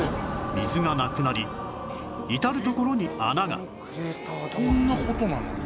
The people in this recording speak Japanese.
水がなくなり至る所に穴がこんな事になるの？